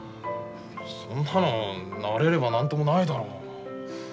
そんなの慣れれば何ともないだろう。